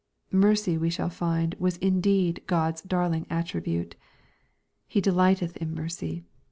Mercv we shall find was in deed God's darling attribute. " He delighteth in mercy."